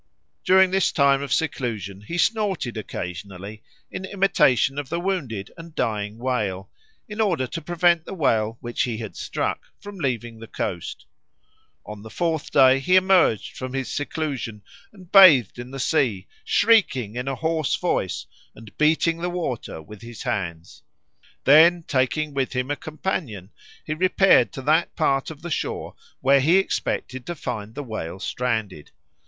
During this time of seclusion he snorted occasionally in imitation of the wounded and dying whale, in order to prevent the whale which he had struck from leaving the coast. On the fourth day he emerged from his seclusion and bathed in the sea, shrieking in a hoarse voice and beating the water with his hands. Then, taking with him a companion, he repaired to that part of the shore where he expected to find the whale stranded.